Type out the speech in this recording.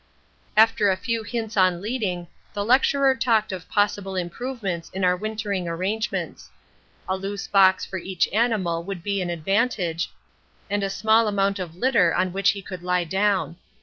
After a few hints on leading the lecturer talked of possible improvements in our wintering arrangements. A loose box for each animal would be an advantage, and a small amount of litter on which he could lie down.